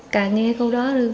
càng nghe câu đó